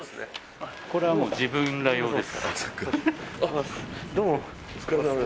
これはもう自分ら用です。